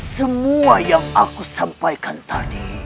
semua yang aku sampaikan tadi